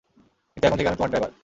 কিন্তু এখন থেকে আমি তোমার ড্রাইভার।